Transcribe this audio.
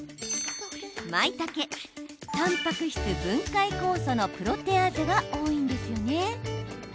たんぱく質、分解酵素のプロテアーゼが多いんです。